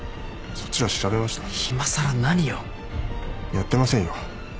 やってませんよ